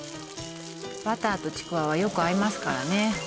バターとちくわはよく合いますからね